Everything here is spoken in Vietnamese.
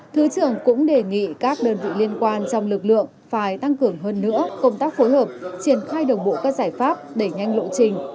thứ trưởng cũng đề nghị các đơn vị liên quan trong lực lượng phải tăng cường hơn nữa công tác phối hợp triển khai đồng bộ các giải pháp đẩy nhanh lộ trình